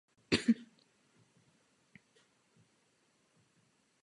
Mimo to také městem prochází železniční trať.